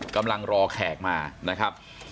กำลังรอแขกมานะครับ